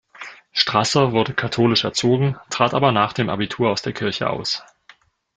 Strasser wurde katholisch erzogen, trat aber nach dem Abitur aus der Kirche aus.